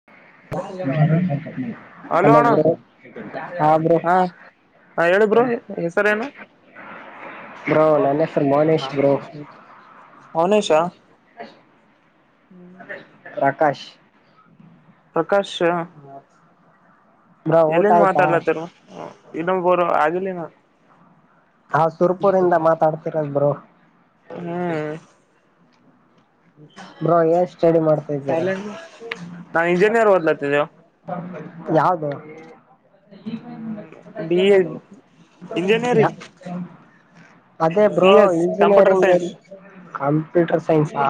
[inaudible] Hello ಅಣ್ಣ ಹಾ bro [inaudible] ಹಾ ಹೇಳಿ ಬ್ರೋ ಹೆಸರ ಏನು ಬ್ರೋ ನನ್ನ ಹೆಸರು ಮೌನೇಶ್ ಬ್ರೋ [unintelligible] ಮೌನೇಶ [inaudible] [inaudible] ಪ್ರಕಾಶ್ ಪ್ರಕಾಶ್ ಆ ಬ್ರೋ ಊಟ ಎಲ್ಲಿಂದ ಆಯ್ತಾ ಮಾತಾಡ್ಲಾತರು ಇನ್ನು ಬುರು ಆಗಿಲ್ಲೇನ ಆ ಸುರ್ಪುರಿಂದ ಮಾತಾಡ್ತಿರೋದು ಬ್ರೋ ಹ್ಮ್ ಬ್ರೋ ಏನ್ ಸ್ಟಡಿ ಮಾಡ್ತಾ ಇದ್ದೀರ ನಾನ್ ಇಂಜಿನಿಯರ್ ಓದ್ಲತ್ತಿದ್ದೇವು ಯಾವುದು [inaudible] ಬಿ ಎ ಇಂಜಿನಿಯರಿಂಗ್ [unintelligible] ಅದೇ C bro S computer engineering science [inaudible] computer ಸೈನ್ಸಾ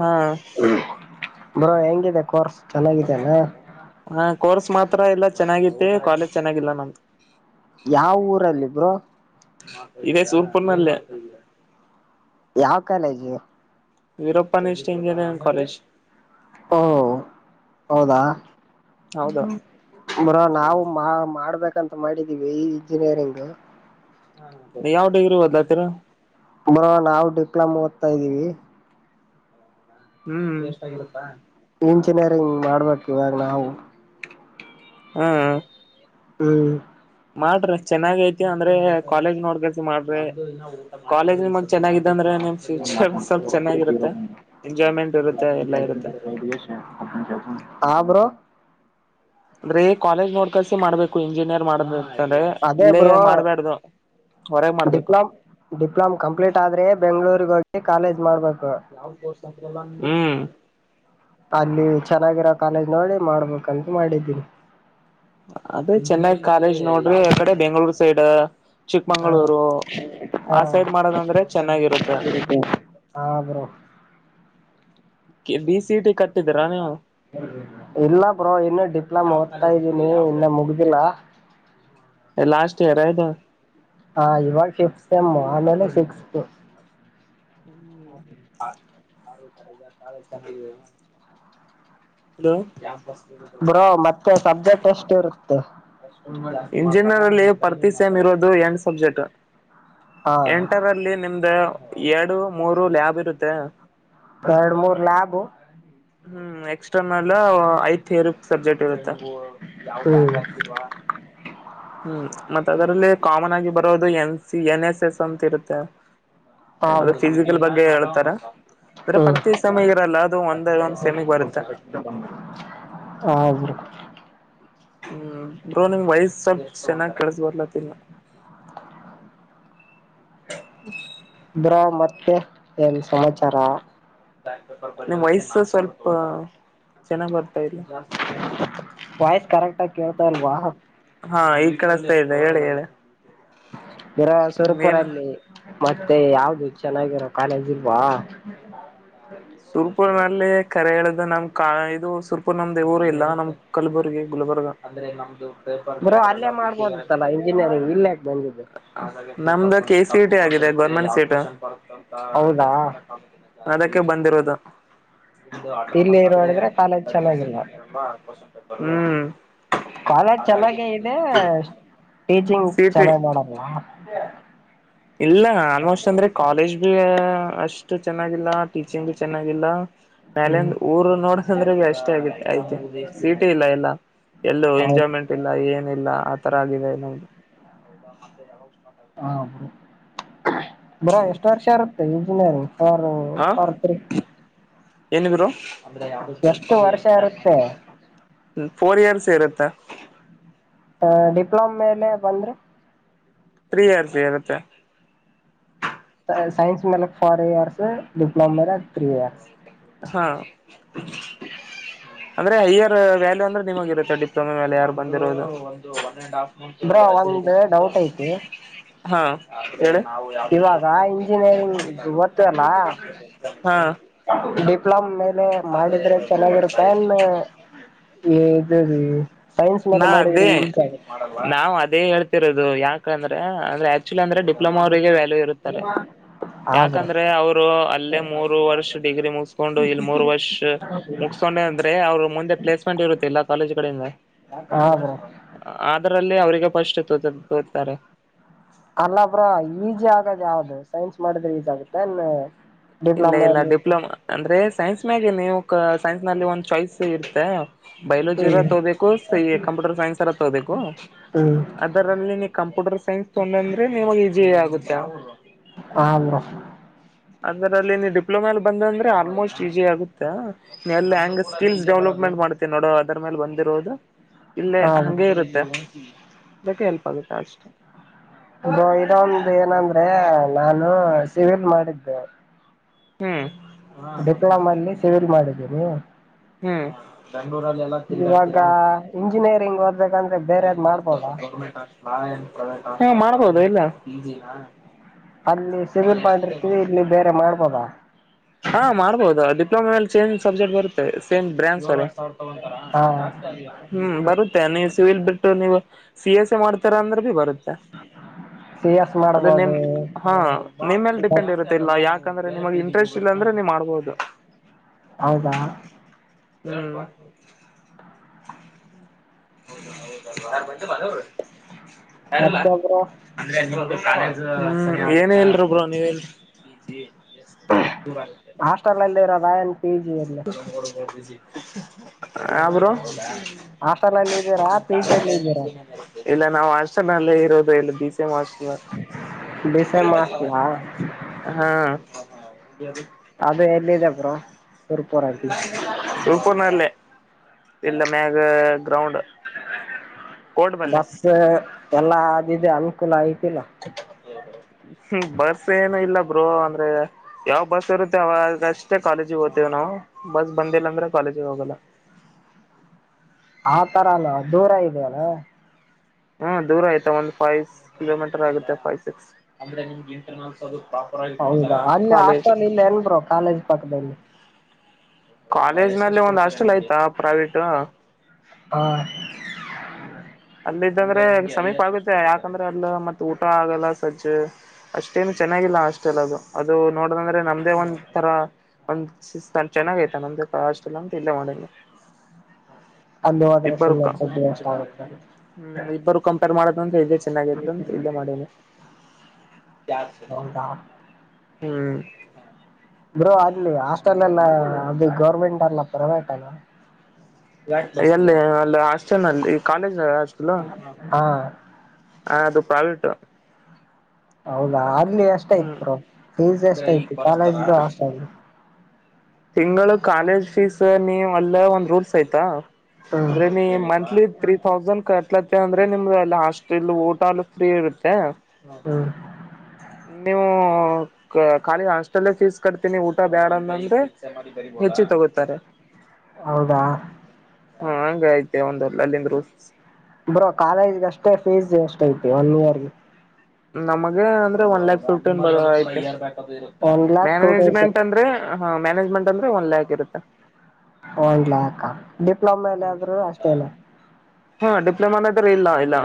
ಹಾ [inaudible] ಬ್ರೋ ಹೆಂಗಿದೆ ಕೋರ್ಸ್ ಚೆನ್ನಾಗಿದ್ದೇನಾ ಹ ಕೋರ್ಸ್ ಮಾತ್ರ ಎಲ್ಲಾ ಚೆನ್ನಾಗಿದೆ ಕಾಲೇಜ್ ಚೆನ್ನಾಗಿಲ್ಲ ನಮ್ದು ಯಾವೂರಲ್ಲಿ ಬ್ರೋ ಇದೇ ಸುರ್ಪುರ್ ನಲ್ಲಿ ಯಾವ ಕಾಲೇಜು ವಿರೂಪನಿಸ್ಟ್ ಇಂಜಿನಿಯರಿಂಗ್ ಕಾಲೇಜ್ ಓ ಹೌದಾ ಹೌದಾ ಬ್ರೋ ನಾವು ಮಾ ಮಾಡ್ಬೇಕಂತ ಮಾಡಿದೀವಿ ಈ ಇಂಜಿನಿಯರಿಂಗ್ ಹ ಯಾವ್ ಡಿಗ್ರಿ ಓದತಿರೋದು ಬ್ರೋ ನಾವು ಡಿಪ್ಲೊಮ ಓದ್ತಾ ಇದೀವಿ ಹ್ಮ್ ಎಷ್ಟಾಗಿದಪ್ಪ ಇಂಜಿನಿಯರಿಂಗ್ ಮಾಡ್ಬೇಕು ಇವಾಗ ನಾವು ಹಾ ಹ್ಮ್ ಮಾಡ್ರಿ ಚೆನ್ನಾಗ ಐತಿ ಅಂದ್ರೆ ಕಾಲೇಜ್ ನೋಡ್ಬಿಟ್ಟು ಮಾಡ್ರಿ ಕಾಲೇಜ್ ನಿಮಂಗ ಚೆನ್ನಾಗಿದ್ದ ಅಂದ್ರೆ ನೀಮ್ ಫ್ಯೂಚರ್ ಸ್ವಲ್ಪ ಚೆನ್ನಾಗಿರುತ್ತೆ ಎಂಜಾಯ್ಮೆಂಟ್ ಇರುತ್ತೆ ಎಲ್ಲ ಇರುತ್ತೆ. ಹಾ ಬ್ರೋ ಅಂದ್ರೆ ಕಾಲೇಜ್ ನೋಡ್ ಕಲ್ಸಿ ಮಾಡ್ಬೇಕು ಇಂಜಿನಿಯರ್ ಮಾಡ ಅದೇ ಇಲ್ಲೇ ಬ್ರೋ ಮಾಡ್ಬೇಡ್ದು. ಡಿಪ್ಲೊಮ್ ಡಿಪ್ಲೊಮ್ ಕಂಪ್ಲೀಟ್ ಆದ್ರೆ ಬೆಂಗ್ಗಳೂರ್ಗ ಹೋಗಿ ಕಾಲೇಜ್ ಮಾಡ್ಬೇಕು. ನಾವು ತೋರ್ ಹ್ಮ್ ಅಲ್ಲಿ ಚೆನ್ನಾಗಿರೋ ಕಾಲೇಜ್ ನೋಡಿ ಮಾಡ್ಬೇಕಂತ ಮಾಡಿದ್ದೀನಿ ಅದೇ ಚೆನ್ನಾಗಿ ಕಾಲೇಜ್ ನೋಡ್ರಿ ಆ ಕಡೆ ಬೆಂಗ್ಳೂರ್ ಸೈಡ್ ಹಾ ಚಿಕ್ಕಮಂಗಗಳೂರು ಆ ಸೈಡ್ ಮಾಡೋದಂದ್ರೆ ಚೆನ್ನಾಗಿರುತ್ತೆ ಆ ಬ್ರೊ ಬಿ ಸಿ ಹಿ ಟಿ ಕಟ್ಟಿದೀರ ನೀವು? ಇಲ್ಲ ಬ್ರೋ ಇನ್ನುೂ ಡಿಪ್ಲೊಮಾ ಓದ್ತಾ ಇದ್ದೀನಿ ಇನ್ನ ಮುಗ್ದಿಲ್ಲ. ಲಾಸ್ಟ್ ಇಯರ್ ಇದು ಹ ಇವಾಗ ಫಿಫ್ತ್ ಸೆಮು ಆಮೇಲೆ ಸಿಕ್ಸ್ತ್. ಹ್ಮ ಅವತ್ ಕಾಲೇಜ್ [unintelligible] ಹಲೋ ಕ್ಯಾಪುಸ್ ಬ್ರೋ ಮತ್ತೆ ಸಬ್ಜೆಕ್ಟ್ ಎಷ್ಟು ಇರುತ್ತೆ? ಲ್ಲಿ ಪ್ರತಿ ಸೇಮ್ ಇರೋದು ಎಂಟ್ ಸಬ್ಜೆಕ್ಟ್ ಹಾ ಎಂಟರಲ್ಲಿ ನಿಮ್ದ ಎರಡು ಮೂರು ಲ್ಯಾಬ್ ಇರುತ್ತೆ. ಎರಡು ಮೂರ್ ಲ್ಯಾಬು ಹ್ಮ್ ಎಕ್ಸ್ಟರ್ನಲ್ ಐದ್ ಥಿಯರಿ ಸಬ್ಜೆಕ್ಟ್ ಇರುತ್ತೆ. ಹ್ಮ್ ಇವಾ ಹ್ಮ್ ಮತ್ತ್ ಅದರಲ್ಲಿ ಕಾಮನ್ ಆಗಿ ಬರೋದು N C N S S ಅಂತ ಇರುತ್ತೆ. ಹಾ ಅದು ಬ್ರೋ ಫಿಸಿಕಲ್ ಬಗ್ಗೆ ಹೇಳ್ತಾರ ಆದ್ರೆ ಹ್ಮ್ ಪ್ರರ್ತಿ ಸಮಯ ಇರಲ್ಲ ಅದು ಒಂದೇ ಒಂದ ಸೆಮಿಗ್ ಬರುತ್ತೆ ಹಾ ಬ್ರೊ ಹ್ಮ್ ಬ್ರೋ ನಿಂಗ್ ವಯ್ಸ್ ಸ್ವಲ್ಪ್ ಚೆನ್ನಾಗ್ ಕೆಳಸ ಬರ್ಲತ್ತನ್ನ [inaudible] ಇದ್ರಾ ಮತ್ತೆ ಏನ್ ಸಮಾಚಾರ? ನಿಮ್ ವಾಯ್ಸ್ ಸ್ವಲ್ಪ ಹ ಚೆನ್ನಾಗ್ ಬರ್ತಾ ಇಲ್ಲ. ವಾಯ್ಸ್ ಕರೆಕ್ಟ್ ಆಗಿ ಕೇಳ್ತಾ ಇಲ್ವಾ ಹಾ ಈ ಕಳಿಸ್ತಾ ಇದೆ ಹೇಳಿ ಹೇಳಿ ಇರೋ ಏನು ಸುರಪುರಲ್ಲಿ ಮತ್ತೆ ಯಾವ್ದ ಚೆನ್ನಾಗಿರೋ ಕಾಲೇಜ್ ಇಲ್ವಾ [inaudible] ಸುರ್ಪುರ್ ನಲ್ಲಿ ಕರೆ ಹೇಳ್ದ ನಮ್ ಕ ಇದು ಸುರ್ಪುರ್ ನಮ್ದೇ ಊರು ಇಲ್ಲ ನಮ್ ಕಲ್ಬುರ್ಗಿ ಗುಲ್ಬರ್ಗ ಅಂದ್ರೆ ನಮ್ದು ಪೇಪರ್ ಗಿಪರ್ ಎಲ್ಲಾ ಬಿಗ [unintelligible] [unintelligible] ಇಲ್ಲಾಕೆ ಬಂದಿದ್ದು? ನಮ್ದು ಕೆ ಸಿಟಿ ಆಗಿದೆ ಗೌರ್ಮೆಂಟ್ ಸೀಟು. ಹೌದಾ ಅದಕ್ಕೆ ಬಂದಿರೋದು. ನಿಮ್ದು ಇಲ್ಲಿ ಆಟೋನಾಮಸ್ ಆದ್ರೆ ನೋಡಿದ್ರೆ ನಿ ಕಾಲೇಜ್ ಚೆನ್ನಾಗಿಲ್ಲ ಚರ್ತಾರಲ್ವಾ ಕ್ವಶನ್ ಪೇಪರ್ ಕಾಲೇಜ್ ಚೆನ್ನಾಗೇ ಇದೆ ಟೀಚಿಂಗ್ ಸಿಟಿ ಚೆನ್ನಾಗ್ ಮಾಡಲ್ಲ ಇಲ್ಲ ಆಲ್ಮೋಸ್ಟ್ ಅಂದ್ರೆ ಕಾಲೇಜ್ ಭ ಅಷ್ಟು ಚೆನ್ನಾಗಿಲ್ಲ ಟೀಚಿಂಗ್ ಚೆನ್ನಾಗಿಲ್ಲ. ಹ್ಮ್ ಮೇಲೆಂದು ಊರು ನೋಡಂದ್ರೆ ಅಷ್ಟೇ ಐತೆ ಸಿಟಿ ಇಲ್ಲ ಎಲ್ಲ ಎಲ್ಲೂ ಹೌದು ಎಂಜಾಯ್ಮೆಂಟ್ ಇಲ್ಲ ಏನಿಲ್ಲ ಆ ತರ ಆಗಿದೆ ನೋಡ್ ಹೌದ ಮತ್ತೆ ಯಾವಾಗ ಸ್ಟಾಟ್ ಆಗೋದು ಹಾ ಬ್ರೊ ಎಷ್ಟು ವರ್ಷ ಇರುತ್ತೆ ಇಂಜಿನಿಯರಿಂಗ್ ಪರ್ ಪರ್ ತ್ರೀ ಏನು ಬ್ರೊ ಅಂದ್ರೆ ಯಾವ್ದು [unintelligible] ಎಷ್ಟು ವರ್ಷ [unintelligible] ಇರುತ್ತೆ ಮಾಡಿಲ್ಲ ಅಂತ ಫೋರ್ ಇಯರ್ಸ್ ಇರುತ್ತೆ ಅ ಡಿಪ್ಲೊಮ್ ಮೇಲೆ ಬಂದ್ರೆ? ತ್ರೀ ಇಯರ್ಸ್ ಇರುತ್ತೆ ಸೈನ್ಸ್ ಮೇಲೆಕ್ ಫೋರು ಇಯರ್ಸ್ ಡಿಪ್ಲೋಮ ಮೇಲೆ ತ್ರೀ ಇಯರ್ಸ್ ಹಾ ಅಂದ್ರೆ ಹೈಯರ್ ವ್ಯಾಲ್ಯೂ ಅಂದ್ರೆ ನಿಮಗ ಇರುತ್ತೆ ಡಿಪ್ಲೊಮ ಮೇಲೆ ಯಾರು ಬಂದಿರದು ಅಂದ್ರ ಒಂದ್ ಡೌಟ್ ಐತಿ? ಹಾ ಹೇಳಿ [unintelligible] ಇವಾಗ ಇಂಜಿನಿಯರಿಂಗ್ ಓದ್ತವಲ್ಲ [unintelligible] [unintelligible] ಹಾ ಡಿಪ್ಲೊಮ್ ಮೇಲೆ ಮಾಡಿದ್ರೆ ಚೆನ್ನಾಗಿರುತ್ತೆನ್ ಇ ಇದು ಸೈನ್ಸ್ ಮೇಲೆ ಮಾಡಿದ್ರೆ ಈಸಿ ಆಗುತ್ತ? ನಾವು ಅದೇ ಹೇಳ್ತಿರೋದು ಯಾಕಂದ್ರೆ ಅಂದ್ರೆ ಆಕ್ಚುಲಿ ಅಂದ್ರೆ ಡಿಪ್ಲೊಮಾ ಅವ್ರಿಗೆ ವ್ಯಾಲ್ಯೂ ಇರುತ್ತೆ ಹಾ ಬ್ರೋ ಯಾಕಂದ್ರೆ ಅವರು ಅಲ್ಲೇ ಮೂರು ವರ್ಷ ಡಿಗ್ರಿ ಮುಗ್ಸಿ ಕೊಂಡು ಇಲ್ಲಿ ಮೂರು ವರ್ಷ ಮುಗಸ್ಕೊಂಡೆ ಅಂದ್ರೆ ಅವರು ಮುಂದೆ ಪ್ಲೇಸ್ಮೆಂಟ್ ಇರುತ್ತೆ ಎಲ್ಲ ಕಾಲೇಜ್ ಕಡೆ ಇಂದ ಹಾ ಬ್ರೋ ಅದರಲ್ಲಿ ಅವ್ರಿಗೆ ಫಸ್ಟ್ [unintelligible] ತೋತಾರೆ. ಅಲ್ಲ ಬ್ರೊ ಈಜಿ ಆಗದ್ ಯಾವ್ದ್ ಸೈನ್ಸ್ ಮಾಡಿದ್ರೆ ಈಜ ಆಗುತ್ತೆ ಇನ್ ಇಲ್ಲ ಡಿಪ್ಲಮಾ ಇಲ್ಲ [unintelligible] ಡಿಪ್ಲೊಮಾ ಅಂದ್ರೆ ಸೈನ್ಸ್ ಮ್ಯಾಗೆ ನೀವು ಸೈನ್ಸ್ ನಲ್ಲಿ ಒಂದ್ ಚಾಯ್ಸ್ ಇರ್ತ್ತೆ ಹ್ಮ್ ಬಯೋಲಜಿರ ತಗೋಬೇಕು ಸ ಕಂಪ್ಯೂಟರ್ ಸೈನ್ಸ್ರ ತಗೋಬೇಕು. ಹ್ಮ್ ಅದರಲ್ಲಿ ನೀ ಕಂಪ್ಯೂಟರ್ ಸೈನ್ಸ್ ತೊಡಂದ್ರೆ ನಿಮಗ್ ಈಜಿ ಆಗುತ್ತೆ. ಹ ಬ್ರೊ ಅದ್ರ ಅಲ್ಲಿ ನೀ ಡಿಪ್ಲೊಮಲ್ಲಿ ಬಂದಂದ್ರೆ ಆಲ್ಮೋಸ್ಟ್ ಈಸಿ ಆಗುತ್ತಾ. ಎಲ್ಲ ಹೆಂಗ ಸ್ಕಿಲ್ಸ್ ಡೆವಲಪ್ಮೆಂಟ್ ಮಾಡ್ತಿ ನೋಡೋ ಅದ್ರ ಮೇಲೆ ಬಂದಿರೋದು. ಇಲ್ಲೇ ಹಾ ಬ್ರೋ ಹಂಗೆ ಇರುತ್ತೆ ಇದಕ್ಕೆ ಹೆಲ್ಪ್ ಆಗುತ್ತೆ ಅಷ್ಟೆ. ಇದು ಇದೊಂದು ಏನಂದ್ರೆ ನಾನು ಸಿವಿಲ್ ಮಾಡಿದ್ದೆ. ಹ್ಮ್ ಡಿಪ್ಲೊಮ ಅಲ್ಲಿ ಸಿವಿಲ್ ಮಾಡಿದ್ದೀನಿ. ಹ್ಮ್ ಬೆಂಗಳೂರಲ್ಲಿ ಎಲ್ಲ ಇವಾಗ ಇಂಜಿನಿಯರಿಂಗ್ ಓದ್ಬೇಕಂದ್ರೆ ಬೇರೆದ್ ಮಾಡ್ಬೋದಾ ಹ ಮಾಡ್ಬೋದು ಎಲ್ಲ [unintelligible] [unintelligible] ಅಲ್ಲಿ ಸಿವಿಲ್ ಮಾಡಿರ್ತೀವಿ ಇಲ್ಲಿ ಬೇರೆ ಮಾಡ್ಬೋದಾ? ಹಾ ಮಾಡ್ಬದು ಡಿಪ್ಲೊಮ ಮೇಲೆ ಸೇಮ್ ಸಬ್ಜೆಕ್ಟ್ ಬರುತ್ತೆ ಸೇಮ್ ಬ್ರ್ಯಾಂಚ್ ಅಲ್ಲ ಹಾ ಹ್ಮ್ ಬರುತ್ತೆ. ಮತ್ತೆ ನೀವು ಸಿವಿಲ್ ಬಿಟ್ಟು ನೀವು ಸಿ ಎಸ್ ಸಿ ಮಾಡ್ತೀರ ಅಂದ್ರೆ ಬರುತ್ತೆ. ಸಿ ಎಸ್ ಅದು ನಿಮ ಮಾಡ್ಬೋದು ಹಾ ನಿಮೇಲ್ ಡಿಪೆಂಡ್ ಇರುತ್ತಿಲ್ಲ ಯಾಕಂದ್ರೆ ನಿಮಗ್ ಇಂಟ್ರೆಸ್ಟ್ ಇಲ್ಲ ಅಂದ್ರೆ ನೀವು ಮಾಡ್ಬೋದು ಹೌದಾ. ಹ್ಮ್. ಹೌ ಹೌದ ಯಾರ ಬಂದಿಲ್ಲಾ ಮತ್ತೊಬ್ರು ಏನ್ ಇವ್ರ ಯಾರ್ ಇಲ್ಲಾ. ಏನು ಇಲ್ರಿ ಬ್ರೋ ನೀವ ಹೇಳಿ. ಎಷ್ಟ ಎಷ್ಟ ದೂರ ಆಗ. ಹಾಸ್ಟೆಲ್ ಅಲ್ಲಿ ಇರೋದ. ಆ ಬ್ರೋ. ಹಾಸ್ಟೆಲ್ ಅಲ್ಲಿ ಇದೀರಾ ಪಿ ಜಿ ಅಲ್ಲಿ ಇದೀರಾ ಇಲ್ಲ ನಾವು ಹಾಸ್ಟೆಲ್ನಲ್ಲೇ ಇರೋದು ಇಲ್ಲ ದೀ. ಡಿಸೆಮ್ [unintelligible] ಹಾಸ್ಟೆಲಾ ಹಾ. ಅದು ಎಲ್ಲಿದೆ ಬ್ರೋ. ಸುರ್ಪುರಲ್ಲಿ ಸೂಪೂರ್ನಲ್ಲ ಇಲ್ಲ ಮ್ಯಾಗ ಗ್ರೌಂಡ್. ಕೋರ್ಟ್ ಬಲ್ಲೆ ಬಸ್ ಎಲ್ಲಾ ಅದ ಇದ ಅನುಕೂಲ ಐತಿಲ್ಲ. ಬಸ್ ಏನು ಇಲ್ಲ ಬ್ರೋ ಅಂದ್ರೆ. ಯಾವ ಬಸ್ ಇರುತ್ತೆ ಅವಾಗಷ್ಟೇ ಕಾಲೇಜಿಗೆ ಹೋಗ್ತೇವಿ ನಾವು ಬಸ್ ಬಂದಿಲ್ಲ ಅಂದ್ರೆ ಕಾಲೇಜಿಗೆ ಹೋಗಲ್ಲ. ಆ ತರ ಅಲ್ಲ ದೂರ ಇದೆಯ ಅಲ್ಲ. ಹ್ಮ ದೂರ ಆಯ್ತಾ ಒಂದ್ ಫೈವ್ ಕಿಲೋಮೀಟರ್ ಆಗುತ್ತೆ ಫೈವ್ ಸಿಕ್ಸ್. ಹೌದಾ ಅಲ್ಲಿ ಕಾಲೇಜ್ ಹಾಸ್ಟೆಲ್ ಇಲ್ಲ ಎನ್ ಬ್ರೋ ಕಾಲೇಜ್ ಪಕ್ಕದಲ್ಲಿ. ಕಾಲೇಜ್ ನಲ್ಲಿ ಒಂದ್ ಹಾಸ್ಟೆಲ್ ಆಯ್ತಾ ಪ್ರೈವೇಟ್. ಆ. ಹ್ಮ್ ಅಲ್ಲಿದ್ದಂದ್ರೆ ಸಮೀಪ ಆಗುತ್ತೆ ಯಾಕಂದ್ರೆ ಅಲ್ಲ ಮತ್ತ ಊಟ ಆಗಲ್ಲ ಸಜ್ಜ್. ಅಷ್ಟೇನು ಚೆನ್ನಾಗಿಲ್ಲ ಹಾಸ್ಟೆಲ್ ಅದು ಅದು ನೋಡದಂದ್ರೆ ನಮ್ದೇ ಒಂದ್ ತರ. ಒಂದ್ ಚೆನ್ನಾಗೈತ ನಮ್ದೆ ಅಷ್ಟೆಲ್ಲ ಅಂತ ಇಲ್ಲ ಮಾಡ. ಅಲ್ಲಿ ಹೋದ್ರೆ ಸುಮ್ಮ ದುಡ್ಡು ಎಷ್ಟ ಆಗುತ್ತ. ಹ್ಮ್ ಇಬ್ಬರು ಕಂಪೇರ್ ಮಾಡದಂತ ಇದೆೇ ಚೆನ್ನಾಗಿತ್ತುಂತ ಇಲ್ಲೇ ಮಾಡೆನಿ. ಹೌದಾ ಹ್ಮ್. ಬ್ರೋ ಅಲ್ಲಿ ಹಾಸ್ಟೆಲ್ ಎಲ್ಲ ಅದು ಗೌರ್ಮೆಂಟ್ ಅಲ್ಲ ಪ್ರೈವೇಟ್ ಅಲ್ಲ. ಎಲ್ಲಿ ಅಲ್ಲಿ ಹಾಸ್ಟೆಲ್ ನಲ್ಲಿ ಕಾಲೇಜ್ ಹಾಸ್ಟೆಲು. ಹಾ ಹ ಅದು ಪ್ರೈವೇಟು. ಹೌದಾ ಅಲ್ಲಿ ಎಷ್ಟ ಐತ್ ಹ್ಮ್ ಬ್ರೋ ಫೀಸ್ ಎಷ್ಟ ಐತಿ ಕಾಲೇಜು ಅಷ್ಟ ಅಲ್ಲಿ. ತಿಂಗಳು ಕಾಲೇಜ್ ಫೀಸ್ ನೀ ಅಲ್ಲ ಒಂದ್ ರೂಲ್ಸ್ ಐತಾ ಹ್ಮ್ ಅಂದ್ರೆ ನೀ ಮಂತ್ಲಿ. ತ್ರೀ ತೌಸಂಡ್ ಕಟ್ಲತ್ತೆ ಅಂದ್ರೆ ನಿಮ್ದುಲ್ಲಿ ಹಾಸ್ಟಲ್ಲ್ಲಿ ಊಟನು ಫ್ರೀ ಇರುತ್ತೆ. ಹ್ಮ. ನೀವು ಖಾಲಿ ಹಾಸ್ಟೆಲ್ ಫೀಸ್ ಕಟ್ತೀನಿ ಊಟ ಬ್ಯಾಡ ಅಂತಂದ್ರೆ. ಹೆಚ್ಚು ತೊಗೊತ್ತಾರೆ. ಹೌದಾ. ಹಾ ಹಂಗ ಐತೆ ಒಂದ ಅಲ್ಲಿಂದ ರೂಲ್ಸ್. ಬ್ರೋ ಕಾಲೇಜ್ಗೆ ಅಷ್ಟೇ ಫೀಸ್ ಎಷ್ಟ ಐತಿ ಒನ್ ಇಯರ್. ನಮಗ ಅಂದ್ರೆ ಒನ್ ಲ್ಯಾಕ್ ಫಿಫ್ಟನ್ ಆಯ್ತಿ one lakh two thousand management ಅಂದ್ರೆ. ಹಾ ಮ್ಯಾನಜ್ಮೆಟ್ ಅಂದ್ರೆ ಒಂದ ಲ್ಯಾಕ್ ಇರುತ್ತೆ. ಒನ್ ಲ್ಯಾಕಾ ಡಿಪ್ಲೊಮ ಎಲ್ಲ ಆದ್ರರು ಅಷ್ಟೇನಾ. ಹಾ ಡಿಪ್ಲೊಮಾನ್ರ ಇಲ್ಲ ಇಲ್ಲ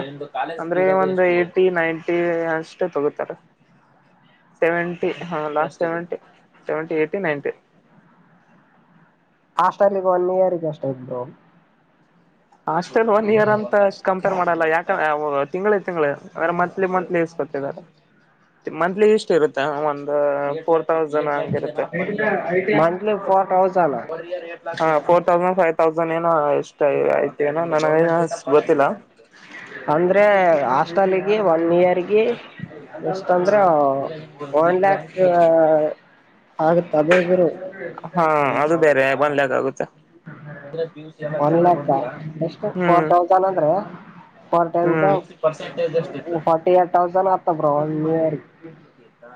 ಅಂದ್ರೆ ಒಂದು ಎಟಿ ನೈಂಟಿ ಅ. ತೊಗೊತಾರ. [inaudible] ಸೆವೆಂಟಿ ಹ last seventy seventy eighty ninety. ಹಾಸ್ಟಲ್ಲಿಗೆ ಒನ್ ಇಯರ್ಗ ಎಷ್ಟ ಆಯ್ತ್ ಬ್ರೋ. ಹಾಸ್ಟೆಲ್ ಒನ್ ಇಯರ್ ಅಂತ. ಕಂಪೇರ್ ಮಾಡಲ್ಲ ಯಾಕ ಎ ಒ ತಿಂಗಳ ತಿಂಗಳು ಅಂದ್ರೆ ಮಂತ್ಲಿ ಮಂತ್ಲಿ ಇಸ್ಕೊತಿದ್ದಾರೆ. ಮಂತ್ಲಿ ಇಷ್ಟ ಇರುತ್ತ ಒಂದು ಫೋರ್ ತೌಸಂಡ್ ಹಂಗ ಇರತ್ತ. ಇಫೋರ್ಟ ಹೌಜಾಲ. ಹಾಂ ಫೋರ್ ತೌಸಂಡ್ ಫೈವ್ ತೌಸಂಡ್ ಏನೋ ಎಷ್ಟು ಆಯಿತೇನ ನನಗ ಗೊತ್ತಿಲ್ಲ. ಅಂದ್ರೆ ಹಾಸ್ಟೆಲ್ಗೆ ಒನ್ ಇಯರ್ಗೆ. ಗೆ ಎಷ್ಟ ಅಂದ್ರ ಒನ್ ಲ್ಯಾಕ್. ಆಗತ್ ಅದೇ ಇದ್ರು. ಹಾಂ ಅದು ಬೇರೆ ಒಂದ್ಲಾಕ್ ಆಗುತ್ತೆ. ಒನ್ ಲ್ಯಾಕ್ ಎಷ್ಟು ಫೋರ್ ಹ್ಮ್ ತೌಸಂಡ್ ಅಂದ್ರೆ. ಫೊರ್ ಟೆಂಜಾ ಹ್ಮ್ ಪರ್ಸೆಂಟೇಜ್ ಎಷ್ಟ ಇತ್ತು ನಿಮ್ದು ಫೊರ್ಟಿ ಏಟ್ ತೌಸಂಡ್ ಆಗ್ತ ಬ್ರೋ ಒನ್ ಇಯರ್.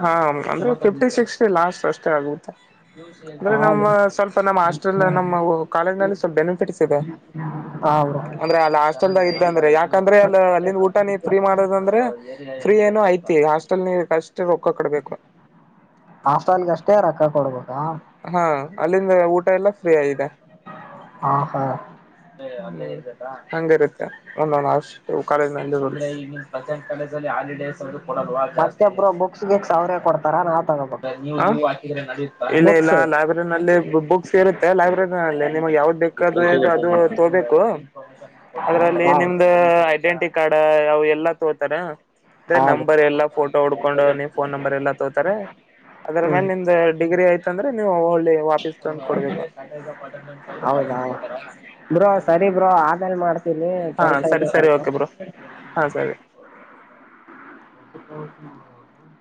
ಹಾ ಅಂದ್ರೆ ಫಿಫ್ಟಿ ಸಿಕ್ಸ್ ಲಾಸ್ಟ್ ಅಷ್ಟೇ ಆಗುತ್ತೆ. ಅಂದ್ರೆ ಹ ನಮ್ಮ ಸ್ವಲ್ಪ ನಮ್ಮ ಹಸ್ಟೆಲ್ ನಮ್ಮ ಕಾಲೇಜ್ ನಲ್ಲಿ ಸ್ವಲ್ಪ ಬೆನಿಫಿಟ್ಸ್ ಇದೆ. ಹ ಬ್ರೋ ಅಂದ್ರೆ ಅಲ್ಲ ಹಾಸ್ಟೆಲ್ದಾಗ ಇದ್ದ ಅಂದ್ರೆ ಯಾಕಂದ್ರೆ ಅಲ್ಲ ಅಲ್ಲಿಂದ ಊಟ ನೀ ಫ್ರೀ ಮಾಡೋದ ಅಂದ್ರೆ. ಫ್ರೀ ಏನೋ ಐತಿ ಈಗ ಹಾಸ್ಟೆಲ್ ನಿ ಅಷ್ಟ ರೊಕ್ಕ ಕೊಡ್ಬೇಕು. ಹಾಸ್ಟೆಲ್ಗಷ್ಟೇ ರೊಕ್ಕ ಕೊಡ್ಬೇಕಾ. ಹಾಂ ಅಲ್ಲಿಂದ ಊಟ ಎಲ್ಲಾ ಫ್ರೀ ಆಗಿದೆ. ಹಾಂ ಹಾ ಹಂಗಿರುತ್ತ. ನ ನಾನ ಅಷ್ಟು ಕೆಟ್. [unintelligible] ಕೊಡಲ್ವಾ ಮತ್ತೆ ಜಾಸ್ತಿ ಬ್ರೋ ಬುಕ್ಸ್ ಗಿಕ್ಸ್ ಅವ್ರೇ ಕೊಡ್ತಾರ ನಾವ್ ತಗೋಬೇಕ ನೀ ಹಾಂ ಹಾಕಿದ್ರೆ ನಡಿಯುತ್ತಾ. ಇಲ್ಲ ಇಲ್ಲ ಬುಕ್ಸ್ ಲೈಬ್ರರಿನಲ್ಲಿ ಬುಕ್ಸ್ ಇರುತ್ತೆ ಲೈಬ್ರರಿನಲ್ಲಿ ನಿಮಗೆ ಯಾವ್ದು ಬೇಕದು ಇದು ಅದು. ತೋಬೇಕು ಅದ್ರಲ್ಲಿ ಹಾ ನಿಮ್ದ. ಐಡೆಂಟಿ ಕಾರ್ಡ್ ಅವ ಎಲ್ಲಾ ತೋತಾರ. ಅಂದ್ರೆ ಹಾ ಬ್ರೋ ನಂಬರ್ ಎಲ್ಲಾ ಫೋಟೋ ಉಡ್ಕೊಂಡು ನೀಮ್ ಫೋನ್ ನಂಬರ್ ಎಲ್ಲಾ ತೋತಾರ. ಅದ್ರ ಹ್ಮ್ ಮ್ಯಾಲೆ ನಿಮ್ದ್ ಡಿಗ್ರಿ ಆಯ್ತ ಅಂದ್ರೆ ನೀವು ಹೊಳ್ಳಿ. ವಾಪೀಸ್ ತಂದ ಕೊಡ್ಬೇಕು [unintelligible] ಹ್ಮ್. ರಿ ಬ್ರೋ ಆಮೇಲ್ ಮಾಡ್. ಹಾಂ ಸರಿ ಸರಿ ಓಕೆ ಬ್ರೋ ಹಾಂ ಸರಿ.